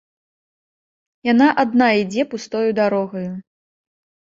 Яна адна ідзе пустою дарогаю.